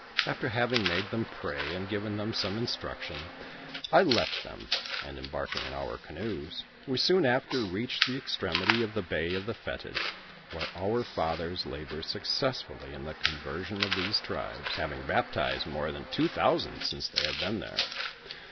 After having m;. le them pray and given them some instniction, I Ifelt them, and, embarking in our cunoes, we soon after reached the extremity of the Bay of the Fetid, where our Fathers labor successtully in the conversion of these tribes, having baptized more than two thousand since they have been there.